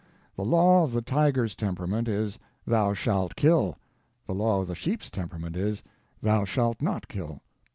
The law of the tiger's temperament is, Thou shalt kill; the law of the sheep's temperament is Thou shalt not kill.